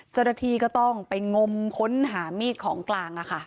เจราทีก็ต้องไปงมค้นหามีดของกลางอะค่ะ